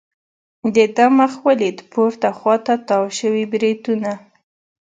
د ده مخ ولید، پورته خوا ته تاو شوي بریتونه.